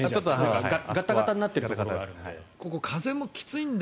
ガタガタになっているところがあるので。